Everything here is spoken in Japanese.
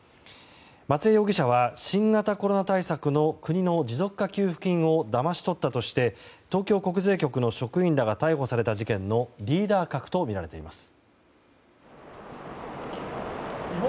松江容疑者は新型コロナ対策の国の持続化給付金をだまし取ったとして東京国税局の職員らが逮捕された事件のリーダー格とみられています。